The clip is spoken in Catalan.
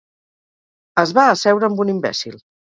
Es va asseure amb un imbècil.